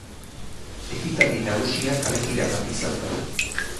Ekitaldi nagusia kalejira bat izan da.